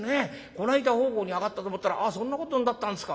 この間奉公に上がったと思ったらそんなことになったんですか。